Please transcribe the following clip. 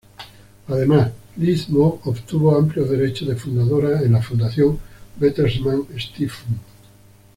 Además, Liz Mohn obtuvo amplios derechos de fundadora en la fundación Bertelsmann Stiftung.